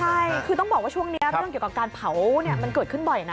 ใช่คือต้องบอกว่าช่วงนี้เรื่องเกี่ยวกับการเผามันเกิดขึ้นบ่อยนะ